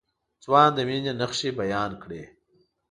ځوان د مينې نښې بيان کړې.